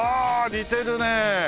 似てるね。